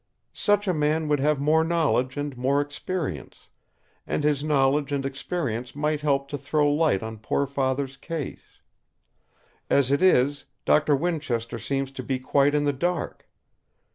Such a man would have more knowledge and more experience; and his knowledge and experience might help to throw light on poor Father's case. As it is, Doctor Winchester seems to be quite in the dark.